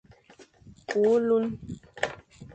Kü ôlun,